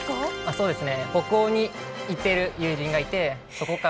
そうですね。